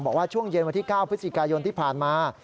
บอกว่าช่วงเย็นวันที่๙พฤศจิกายนที่ผ่านมา